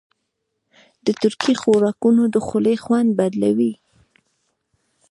د ترکي خوراکونه د خولې خوند بدلوي.